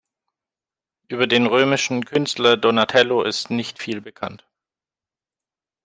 Über den römischen Künstler Donatello ist nicht viel bekannt.